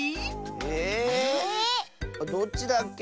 ええっ⁉どっちだっけ？